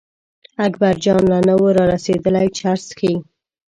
اکبرجان لا نه و را رسېدلی چرس څښي.